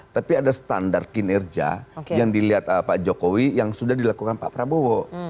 tapi ada standar kinerja yang dilihat pak jokowi yang sudah dilakukan pak prabowo